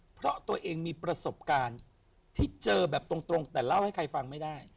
เพราะตัวเองมีประสบการณ์ที่เจอแบบตรงแต่เล่าให้ใครฟังไม่ได้